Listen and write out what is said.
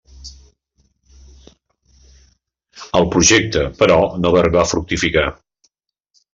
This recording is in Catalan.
El projecte, però, no va arribar a fructificar.